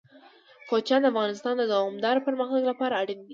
کوچیان د افغانستان د دوامداره پرمختګ لپاره اړین دي.